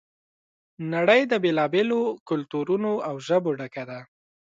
نړۍ د بېلا بېلو کلتورونو او ژبو ډکه ده.